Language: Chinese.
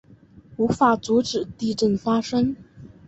无法阻止地震发生